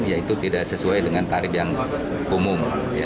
yaitu tidak sesuai dengan tarif yang umum